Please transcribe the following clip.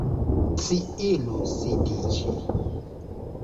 Ci iru sidiĝi.